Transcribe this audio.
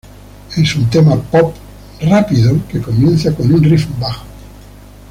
Es un tema pop, rápido, que comienza con un riff bajo.